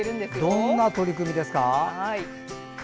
どんな取り組みですか？